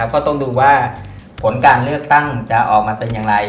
ก็ต้องดูว่าผลการเลือกตั้งจะออกมาเป็นอย่างไร